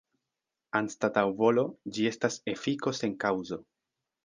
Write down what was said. Anstataŭ volo, ĝi estas efiko sen kaŭzo.